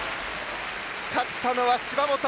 勝ったのは芝本！